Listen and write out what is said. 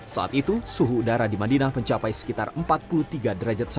saat itu suhu udara di madinah mencapai sekitar empat puluh tiga derajat celci